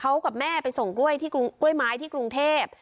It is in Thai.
เขากับแม่ไปส่งกล้วยไม้ที่กรุงเทพฯ